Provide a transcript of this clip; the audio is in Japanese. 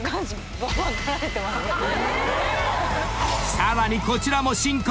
［さらにこちらも新婚！